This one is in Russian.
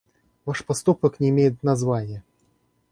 Ваш поступок не имеет названия.